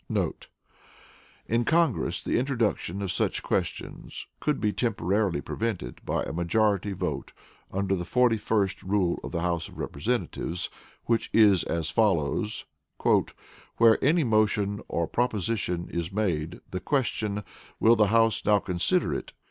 * [In Congress, the introduction of such questions could be temporarily prevented by a majority vote under the 41st Rule of the House of Representatives, which is as follows: "Where any motion or proposition is made, the question, 'Will the House now consider it?